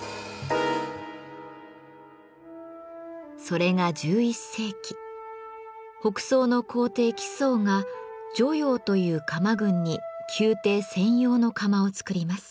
それが１１世紀北宋の皇帝・徽宗が「汝窯」という窯郡に宮廷専用の窯を作ります。